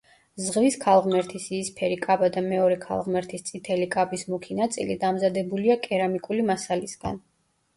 ზღვის ქალღმერთის იისფერი კაბა და მეორე ქალღმერთის წითელი კაბის მუქი ნაწილი დამზადებულია კერამიკული მასალისგან.